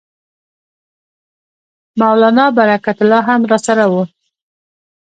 مولنا برکت الله هم راسره وو.